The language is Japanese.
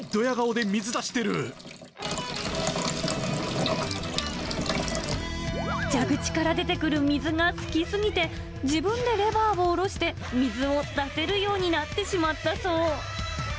えー、蛇口から出てくる水が好きすぎて、自分でレバーを下ろして水を出せるようになってしまったそう。